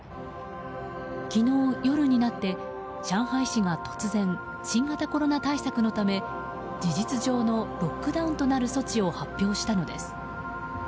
昨日夜になって上海市が突然新型コロナ対策のため事実上のロックダウンとなる措置を発表したのです。